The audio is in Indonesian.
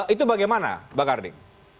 itu bagaimana bang harding